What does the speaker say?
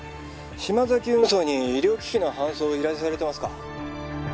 島崎運送に医療機器の搬送を依頼されてますか？